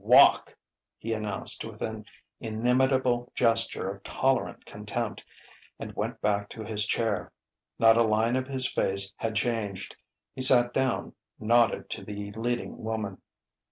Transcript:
"Walk!" he announced with an inimitable gesture of tolerant contempt; and went back to his chair. Not a line of his face had changed. He sat down, nodded to the leading woman.